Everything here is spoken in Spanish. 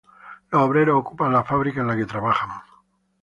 Los obreros ocupan la fábrica en la que trabajan.